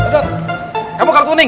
dut kamu kartuning